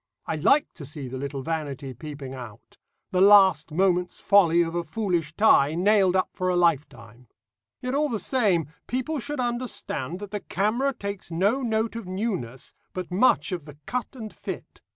I like to see the little vanity peeping out the last moment's folly of a foolish tie, nailed up for a lifetime. Yet all the same, people should understand that the camera takes no note of newness, but much of the cut and fit.